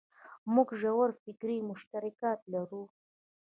موږ ژور فکري مشترکات لرو.